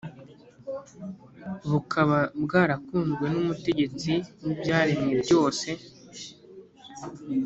bukaba bwarakunzwe n’Umutegetsi w’ibyaremwe byose.